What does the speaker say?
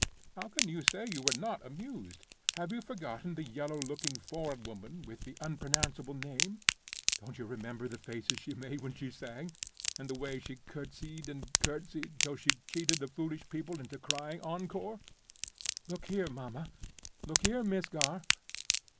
"How can you say you were not amused? Have you forgotten the yellow looking foreign woman, with the unpronounceable name? Don't you remember the faces she made when she sang? and the way she courtesied and courtesied, till she cheated the foolish people into crying encore? Look here, mamma—look here, Miss Garth!"